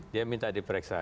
dia minta diperiksa